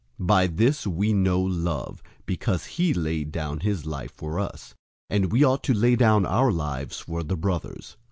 003:016 By this we know love, because he laid down his life for us. And we ought to lay down our lives for the brothers.